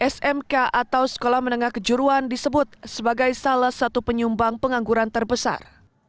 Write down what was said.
smk atau sekolah menengah kejuruan disebut sebagai salah satu penyumbang pengangguran terbesar